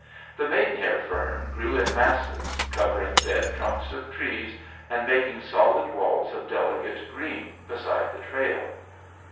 The maidenhair fern grew in masses, covering dead trunks of trees and making solid walls of delicate green beside the trail.